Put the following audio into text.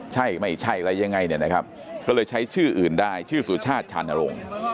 ใช่ไม่ใช่อะไรยังไงเนี่ยนะครับก็เลยใช้ชื่ออื่นได้ชื่อสุชาติชานรงค์